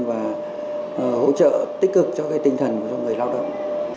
và hỗ trợ tích cực cho cái tinh thần cho người lao động